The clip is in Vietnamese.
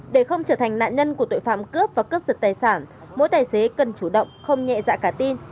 để không trở thành nạn nhân của tội phạm cướp và cướp giật tài sản mỗi tài xế cần chủ động không nhẹ dạ cả tin